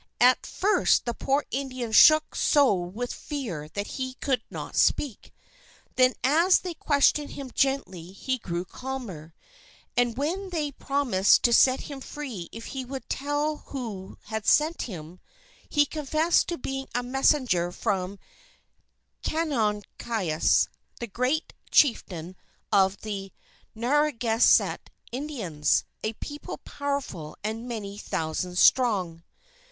At first the poor Indian shook so with fear that he could not speak. Then as they questioned him gently, he grew calmer. And when they promised to set him free if he would tell who had sent him, he confessed to being a messenger from Canonicus, the great Chieftain of the Naragansett Indians, a People powerful and many thousands strong.